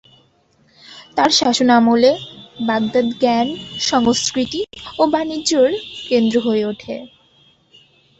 তার শাসনামলে বাগদাদ জ্ঞান, সংস্কৃতি ও বাণিজ্যের কেন্দ্র হয়ে উঠে।